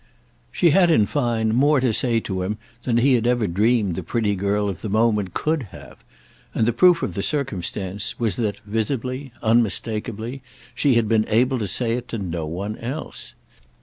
She had in fine more to say to him than he had ever dreamed the pretty girl of the moment could have; and the proof of the circumstance was that, visibly, unmistakeably, she had been able to say it to no one else.